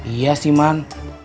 iya sih man